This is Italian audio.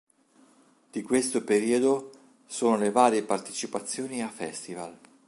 Di questo periodo sono le varie partecipazioni a festival.